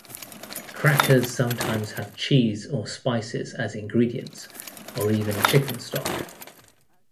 Crackers sometimes have cheese or spices as ingredients, or even chicken stock.